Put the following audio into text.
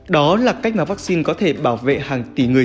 đó là cách mà vaccine có thể bảo vệ hàng tỷ người